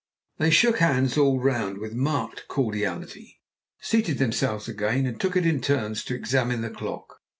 They shook hands all round with marked cordiality, seated themselves again, and took it in turns to examine the clock.